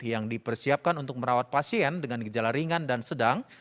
yang dipersiapkan untuk merawat pasien dengan gejala ringan dan sedang